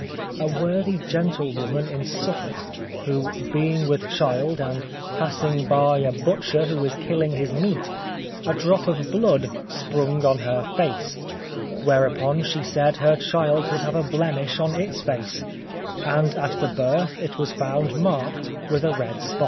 A worthy gentlewoman in Suffolk, who being with child and passing by a butcher who was killing his meat, a drop of blood sprung on her face, whereupon she said her child would have a blemish on its face, and at the birth it was found marked with a red spot.